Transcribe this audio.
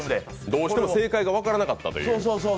どうしても正解が分からなかったという。